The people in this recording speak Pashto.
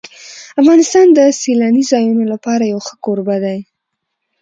افغانستان د سیلاني ځایونو لپاره یو ښه کوربه دی.